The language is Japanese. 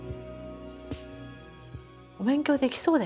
お勉強できそうだよね。